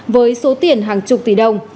với số tiền hàng chục tỷ đồng